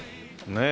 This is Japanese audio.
ねえ。